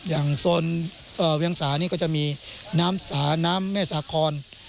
โซนเวียงสานี่ก็จะมีน้ำสาน้ำแม่สาคอน